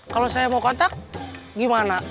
kalau saya mau kontak gimana